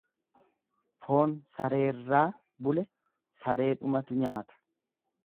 Foon sareerraa bule sareedhumatu nyaata.